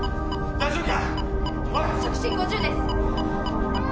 大丈夫か！？